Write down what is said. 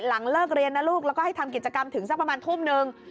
หลังเลิกเรียนนะลูกแล้วก็ให้ทำกิจกรรมถึงสักประมาณทุ่มนึง